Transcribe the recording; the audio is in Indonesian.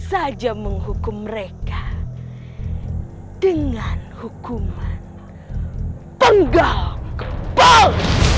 saja menghukum mereka dengan hukuman penggal kebal